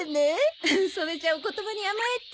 それじゃあお言葉に甘えて。